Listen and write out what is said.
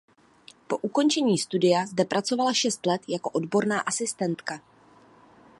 Po ukončení studia zde pracovala šest let jako odborná asistentka.